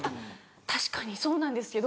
確かにそうなんですけど。